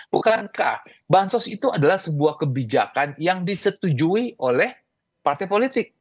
bukankah bansos itu adalah sebuah kebijakan yang disetujui oleh partai politik